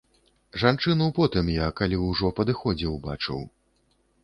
Жанчыну потым я, ужо калі падыходзіў, бачыў.